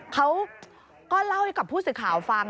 เขาก็เล่าให้กับผู้สื่อข่าวฟัง